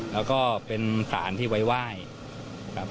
แล้วก็เป็นสารที่ว้ายไหว้